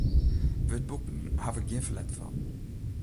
Wurdboeken haw ik gjin ferlet fan.